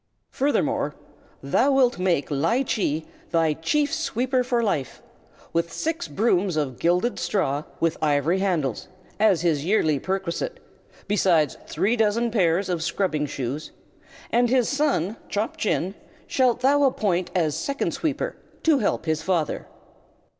"Furthermore, thou wilt make Ly Chee thy Chief Sweeper for life, with six brooms of gilded straw, with ivory handles, as his yearly perquisite, besides three dozen pairs of scrubbing shoes; and his son, Chop Chin, shalt thou appoint as Second Sweeper, to help his father."